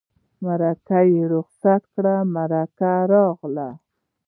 مرکه یې رخصت کړه مرکه راغله.